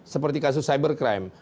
seperti kasus cybercrime